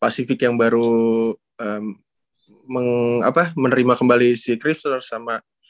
pasifik yang baru menerima kembali si kristure sama